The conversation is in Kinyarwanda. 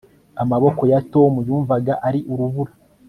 amaboko ya tom yumvaga ari urubura